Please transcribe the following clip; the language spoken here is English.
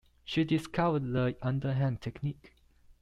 She discovered the under-hand technique.